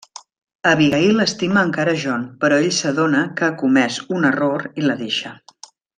Abigail estima encara John, però ell s'adona que ha comès un error i la deixa.